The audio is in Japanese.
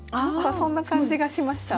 そんな感じがしました。